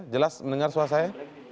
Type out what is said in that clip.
jelas mendengar suara saya